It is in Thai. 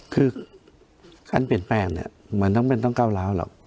คือการเปลี่ยนแปลงเนี่ยมันไม่ต้องเป็นต้องก้าวร้าวหรอก